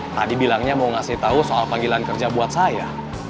tadi bilangnya mau ngasih tahu soal panggilan kerja buat saya